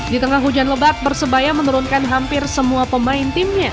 di tengah hujan lebat persebaya menurunkan hampir semua pemain timnya